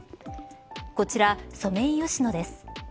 こちら、ソメイヨシノです。